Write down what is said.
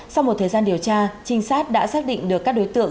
sau một thời gian điều tra trinh sát đã xác định được các đối tượng